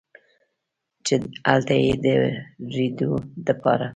چې هلته ئې د رېډيو دپاره